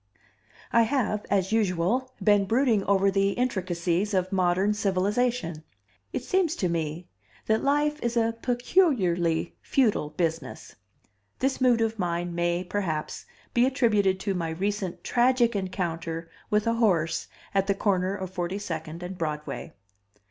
] I have, as usual, been brooding over the intricacies of modern civilization. It seems to me that life is a peculiarly futile business. This mood of mine may, perhaps, be attributed to my recent tragic encounter with a horse at the corner of 42nd and Broadway.